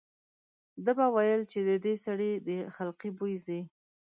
ده به ویل چې د دې سړي د خلقي بوی ځي.